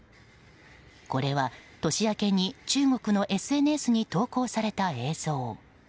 これは年明けに中国のＳＮＳに投稿された映像。